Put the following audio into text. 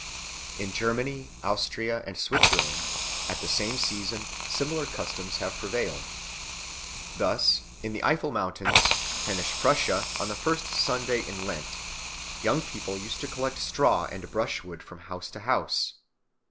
In Germany, Austria, and Switzerland at the same season similar customs have prevailed. Thus in the Eifel Mountains, Rhenish Prussia, on the first Sunday in Lent young people used to collect straw and brushwood from house to house.